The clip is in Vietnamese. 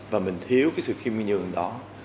và mình thiếu cái sự khiêm nhường đó